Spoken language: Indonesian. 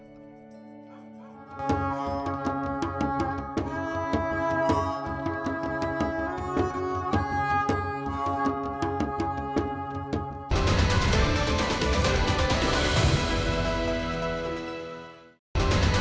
untuk kualitas hidup yang lebih baik